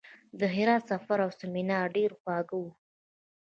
د هرات سفر او سیمینار ډېر خواږه وو.